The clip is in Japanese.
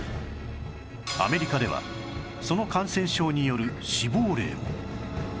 アメリカではその感染症による死亡例も